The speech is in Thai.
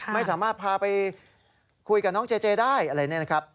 ไม่สามารถพาไปคุยกับน้องเจเจได้อะไรเนี่ยนะครับ